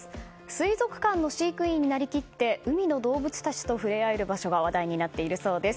水族館の飼育員になりきって海の動物たちと触れ合える場所が話題になっているそうです。